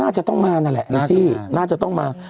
น่าจะต้องมานั่นแหละแองจี้น่าจะต้องมา